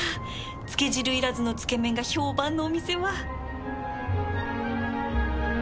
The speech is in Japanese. つけ汁要らずのつけ麺が評判のお店は